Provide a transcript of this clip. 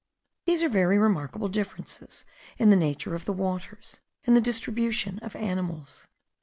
These are very remarkable differences in the nature of the waters, and the distribution of animals.